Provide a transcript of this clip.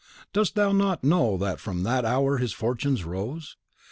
Dost thou not know that from that hour his fortunes rose?